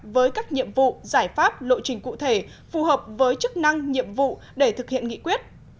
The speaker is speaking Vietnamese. với các nhiệm vụ giải pháp lộ trình cụ thể phù hợp với chức năng nhiệm vụ để thực hiện nghị quyết